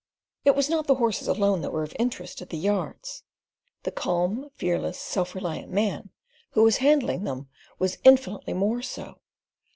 It was not the horses alone that were of interest at the yards; the calm, fearless, self reliant man who was handling them was infinitely more so.